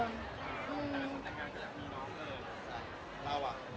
แต่งงานก็อยากมีน้องเลย